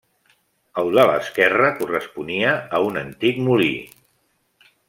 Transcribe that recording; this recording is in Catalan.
El de l'esquerra corresponia a un antic molí.